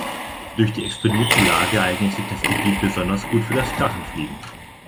Durch die exponierte Lage eignet sich das Gebiet besonders gut für das Drachenfliegen.